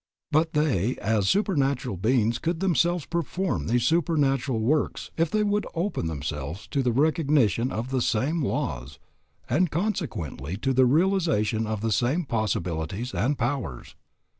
But they as supernatural beings could themselves perform these supernatural works if they would open themselves to the recognition of the same laws, and consequently to the realization of the same possibilities and powers.